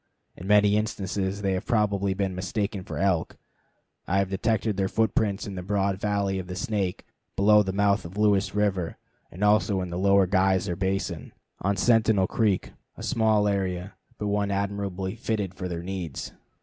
In many instances they have probably been mistaken for elk. I have detected their footprints in the broad valley of the Snake, below the mouth of Lewis River, and also in the Lower Geyser Basin, on Sentinel Creek, a small area, but one admirably fitted for their needs.